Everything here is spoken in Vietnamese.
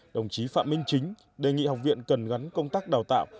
đồng chí phạm minh chính đề nghị học viện cần gắn công tác đào tạo